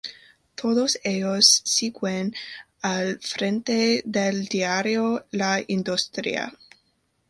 Todos ellos siguen al frente del diario "La Industria".